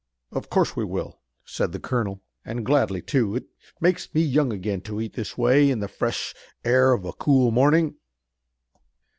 "Of course we will," said the colonel, "and gladly, too. It makes me young again to eat this way in the fresh air of a cool morning."